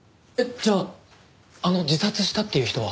じゃああの自殺したっていう人は。